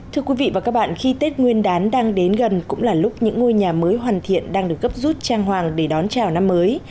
thưa quý vị và các bạn khi tết nguyên đán đang đến gần cũng là lúc những ngôi nhà mới hoàn thiện đang được gấp rút trang hoàng để đón chào năm mới